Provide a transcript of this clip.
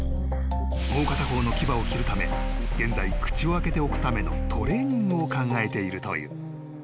［もう片方の牙を切るため現在口を開けておくためのトレーニングを考えているという］